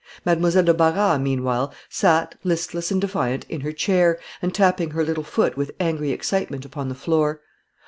Mademoiselle de Barras, meanwhile, sate, listless and defiant, in her chair, and tapping her little foot with angry excitement upon the floor.